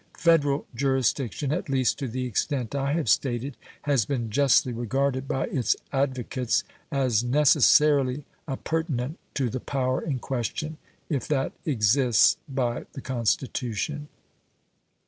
Federal jurisdiction, at least to the extent I have stated, has been justly regarded by its advocates as necessarily appurtenant to the power in question, if that exists by the Constitution.